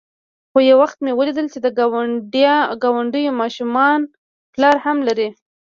خو يو وخت مې وليدل چې د گاونډيو ماشومان پلار هم لري.